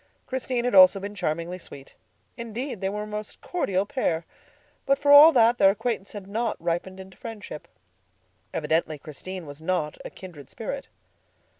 Christine had also been charmingly sweet. Indeed, they were a most cordial pair. But for all that, their acquaintance had not ripened into friendship. Evidently Christine was not a kindred spirit.